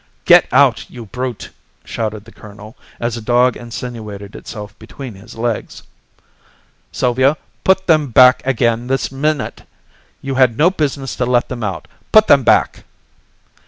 "Get out, you brute!" shouted the colonel, as a dog insinuated itself between his legs. "Sylvia, put them back again this minute! You had no business to let them out. Put them back!"